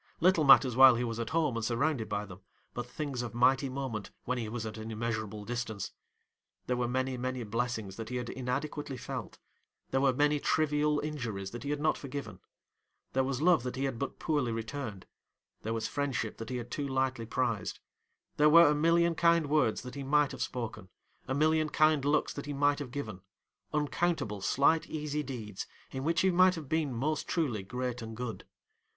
Little matters while he was at home and surrounded by them, but things of mighty moment when he was at an immeasurable distance. There were many many blessings that he had inadequately felt, there were many trivial injuries that he had not forgiven, there was love that he had but poorly returned, there was friendship that he had too lightly prized: there were a million kind words that he might have spoken, a million kind looks that he might have given, uncountable slight easy deeds in which he might have been most truly great and good.